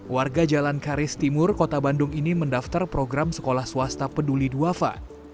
warga jalan karis timur kota bandung ini mendaftar program sekolah swasta peduli duafa